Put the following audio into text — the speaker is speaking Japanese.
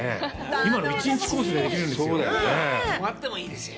今の、１日コースでできるんですよ。